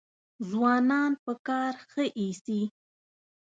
ځوانان په کار ښه ایسي.